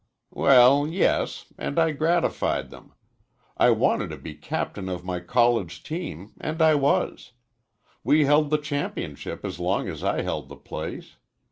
"Well, yes, and I gratified them. I wanted to be captain of my college team, and I was. We held the championship as long as I held the place.